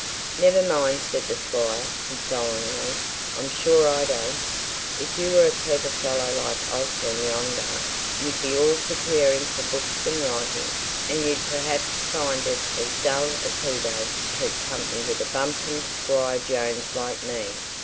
"Never mind!" said the Squire, consolingly. "I'm sure I don't. If you were a clever fellow like Osborne yonder, you'd be all for caring for books and writing, and you'd perhaps find it as dull as he does to keep company with a bumpkin squire Jones like me.